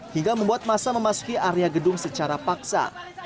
hingga membuat masa memasuki area gedung secara paksa